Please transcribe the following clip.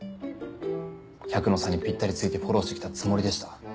百野さんにぴったりついてフォローしてきたつもりでした。